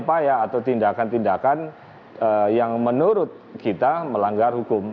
upaya atau tindakan tindakan yang menurut kita melanggar hukum